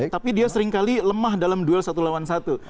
tapi dia seringkali lemah dalam duel satu lawan satu